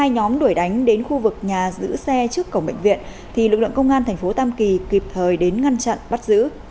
nếu bệnh viện đã giữ xe trước cổng bệnh viện thì lực lượng công an tp tam kỳ kịp thời đến ngăn chặn bắt giữ